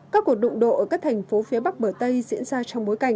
các cuộc đụng độ ở các thành phố phía bắc bờ tây diễn ra trong mối quan hệ